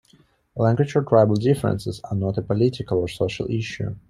Language or tribal differences are not a political or social issue.